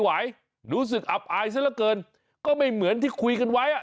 รู้สึกอับอายซะละเกินก็ไม่เหมือนที่คุยกันไว้อ่ะ